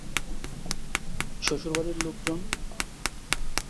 শ্বশুর বাড়ির লোকজন?